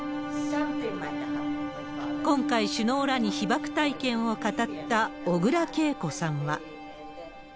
今回、首脳らに被爆体験を語った小倉桂子さんは。